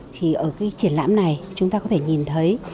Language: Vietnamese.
thì ở cái triển lãm này chúng ta có thể nhìn thấy